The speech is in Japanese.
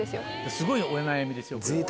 すごいお悩みですよこれ。